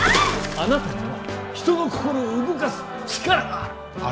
あなたには人の心を動かす力がある！